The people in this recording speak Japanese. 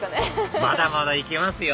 まだまだ行けますよ